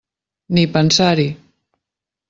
Ni pensar-hi!